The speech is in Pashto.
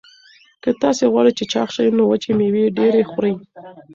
که تاسي غواړئ چې چاغ شئ نو وچې مېوې ډېرې خورئ.